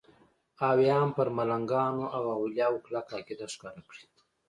او یا هم پر ملنګانو او اولیاو کلکه عقیده ښکاره کړي.